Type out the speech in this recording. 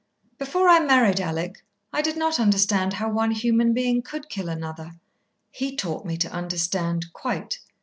Before I married Alec, I did not understand how one human being could kill another. He taught me to understand, quite.